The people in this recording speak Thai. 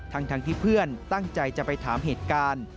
ทั้งที่เพื่อนตั้งใจจะไปถามเหตุการณ์